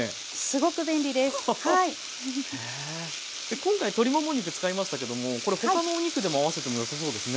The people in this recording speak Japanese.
今回鶏もも肉使いましたけどもこれ他のお肉でも合わせてもよさそうですね。